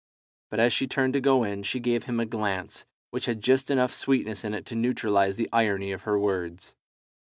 But as she turned to go in she gave him a glance which had just enough sweetness in it to neutralize the irony of her words.